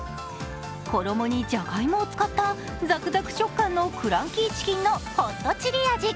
衣にじゃがいもを使ったザクザク食感のクランキーチキンのホットチリ味。